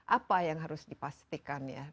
apa yang harus dipastikan ya